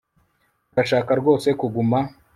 Urashaka rwose kuguma